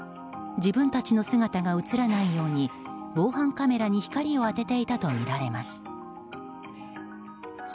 自分たちの姿が映らないように防犯カメラに光を当てていたとみられます。